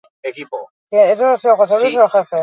Gure jaialdi rockzaleenak baditu datak.